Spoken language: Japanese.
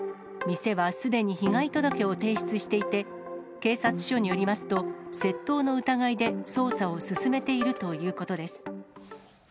店はすでに被害届を提出していて、警察署によりますと、窃盗の疑いで捜査を進めているということです。